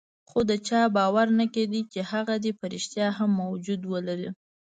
خو د چا باور نه کېده چې هغه دې په ريښتیا هم وجود ولري.